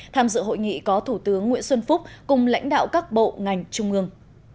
tham dự hội nghị có thủ tướng nguyễn xuân phúc cùng lãnh đạo các bộ ngành trung ương